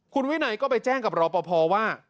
คุณวินัยก็ไปแจ้งกับรอปภว่า